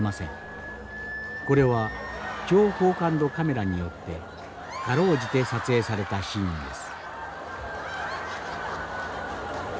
これは超高感度カメラによって辛うじて撮影されたシーンです。